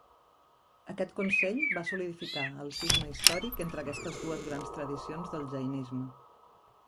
Aquest consell va solidificar el cisma històric entre aquestes dues grans tradicions del jainisme.